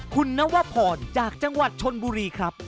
คุณนวพรจากจังหวัดชนบุรีครับ